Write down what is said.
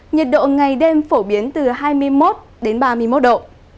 nhiệt độ ngày đêm phổ biến từ hai mươi một đến ba mươi một độ